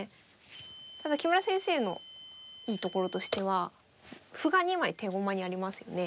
ただ木村先生のいいところとしては歩が２枚手駒にありますよね。